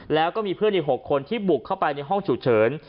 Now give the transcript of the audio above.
แล้วก็มีเพื่อนอีก๖คนที่บุกเข้าไปในห้องฉุกเฉิน